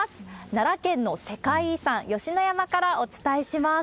奈良県の世界遺産、吉野山からお伝えします。